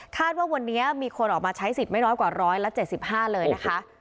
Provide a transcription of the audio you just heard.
ว่าวันนี้มีคนออกมาใช้สิทธิ์ไม่น้อยกว่า๑๗๕เลยนะคะ